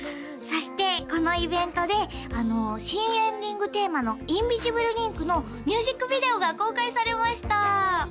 そしてこのイベントで新エンディングテーマの「ＩｎｖｉｓｉｂｌｅＬｉｎｋ」のミュージックビデオが公開されました！